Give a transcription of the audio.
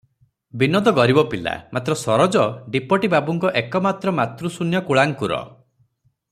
ବିନୋଦ ଗରିବ ପିଲା; ମାତ୍ର ସରୋଜ ଡିପୋଟି ବାବୁଙ୍କ ଏକମାତ୍ର ମାତୃଶୂନ୍ୟ କୁଳାଙ୍କୁର ।